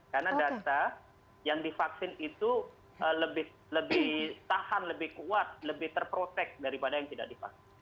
karena data yang divaksin itu lebih tahan lebih kuat lebih terprotek daripada yang tidak divaksin